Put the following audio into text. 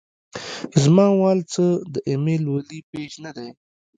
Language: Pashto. زما وال څۀ د اېمل ولي پېج نۀ دے